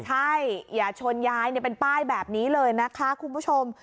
ใช่อย่าชนยายเป็นป้ายแบบนี้เลยนะคะคุณผู้ชม